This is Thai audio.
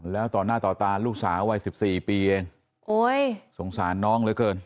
แล้วต่อหน้าต่อตาลลูกสาววัย๑๔ปีเองโอ๊ยสงสารน้องเลยเกิน